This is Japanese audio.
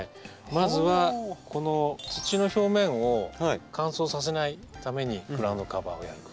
まずはこの土の表面を乾燥させないためにグラウンドカバーをやる。